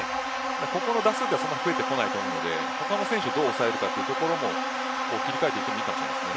ここはあんまりついてこないと思うので他の選手をどう抑えるかというところに切り替えてもいいかもしれませんね。